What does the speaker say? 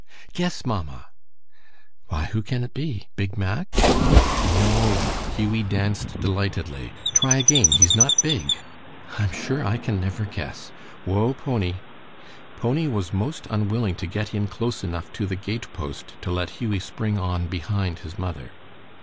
"Guess, mamma!" "Why, who can it be? Big Mack?" "No!" Hughie danced delightedly. "Try again. He's not big." "I am sure I can never guess. Whoa, Pony!" Pony was most unwilling to get in close enough to the gate post to let Hughie spring on behind his mother.